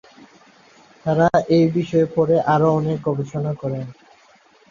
তারা এই বিষয়ে পরে আর অনেক গবেষণা করেন।